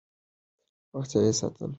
د روغتیا ساتل د مور لویه دنده ده.